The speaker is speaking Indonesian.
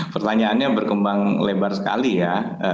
pertanyaannya berkembang lebar sekali ya